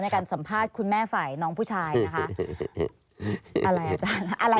เขาก็เลยว่าแม่เขาบอกว่าให้เอาหอยโรตเตอรี่ให้พี่น้อยเอาไปขึ้นแล้ว